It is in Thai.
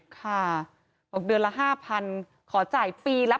ค่ะบอกเดือนละ๕๐๐ขอจ่ายปีละ